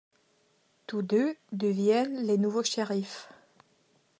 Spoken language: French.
Tous deux deviennent les nouveaux shérifs.